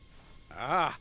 ああ。